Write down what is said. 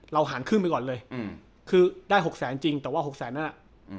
เราหารครึ่งไปก่อนเลยอืมคือได้หกแสนจริงแต่ว่าหกแสนน่ะอืม